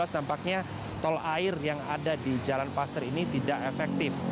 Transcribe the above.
tampaknya tol air yang ada di jalan paster ini tidak efektif